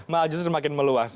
maju semakin meluas